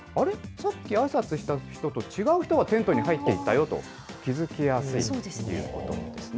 さっきあいさつした人と、違う人がテントに入っていったよと気付きやすいということですね。